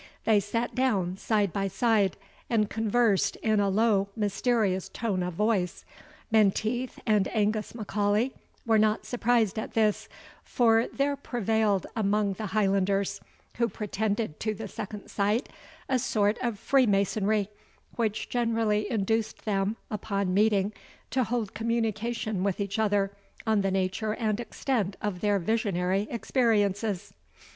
They sat down side by side, and conversed in a low mysterious tone of voice. Menteith and Angus M'Aulay were not surprised at this, for there prevailed among the Highlanders who pretended to the second sight, a sort of Freemasonry, which generally induced them, upon meeting, to hold communication with each other on the nature and extent of their visionary experiences.